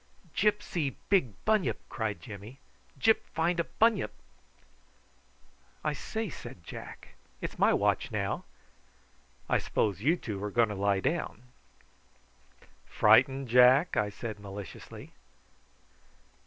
"Gyp see big bunyip!" cried Jimmy. "Gyp find a bunyip!" "I say," said Jack; "it's my watch now. I s'pose you two are going to lie down." "Frightened, Jack?" I said maliciously.